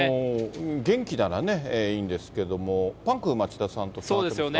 元気ならね、いいんですけども、パンク町田さんとつながってますか。